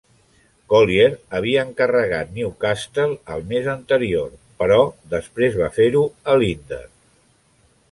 Collier havia encarregat "Newcastle" el mes anterior, però després va fer-ho a "Leander".